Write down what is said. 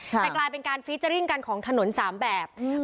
ค่ะแต่กลายเป็นการของถนนสามแบบอืม